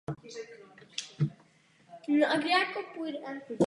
Příběh vypovídá hlavně o třech lidech.